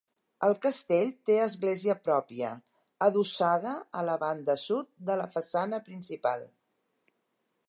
El castell té església pròpia, adossada a la banda sud de la façana principal.